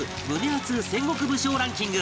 アツ戦国武将ランキング